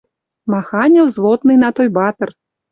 Маханьы взводныйна Тойбатр.